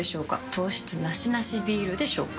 糖質ナシナシビールでしょうか？